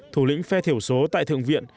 thủ lĩnh phe thiểu số tại thượng viện